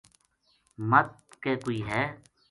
مدھ کوئے ہے